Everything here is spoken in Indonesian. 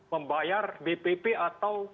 membayar bpp atau